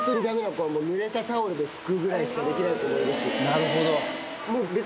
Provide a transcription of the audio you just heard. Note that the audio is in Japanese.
なるほど。